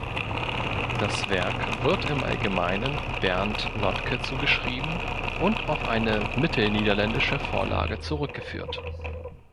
Das Werk wird im Allgemeinen Bernt Notke zugeschrieben und auf eine mittelniederländische Vorlage zurückgeführt.